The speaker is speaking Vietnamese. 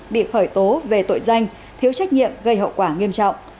bị khởi tố về tội danh thiếu trách nhiệm gây hậu quả nghiêm trọng